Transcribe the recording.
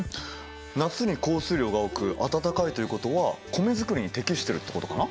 夏に降水量が多く暖かいということは米づくりに適してるってことかな？